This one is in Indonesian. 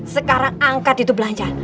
sekarang angkat itu belanja